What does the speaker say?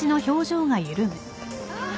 あっ。